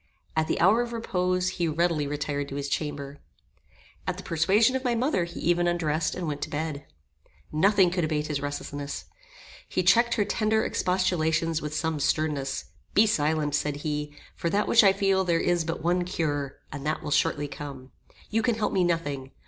At the hour of repose he readily retired to his chamber. At the persuasion of my mother he even undressed and went to bed. Nothing could abate his restlessness. He checked her tender expostulations with some sternness. "Be silent," said he, "for that which I feel there is but one cure, and that will shortly come. You can help me nothing.